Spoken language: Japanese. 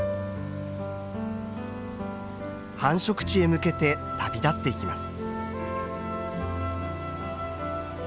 繁殖地へ向けて旅立っていきます。